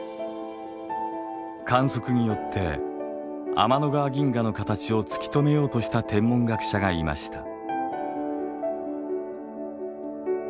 観測によって天の川銀河の形を突き止めようとした天文学者がいました。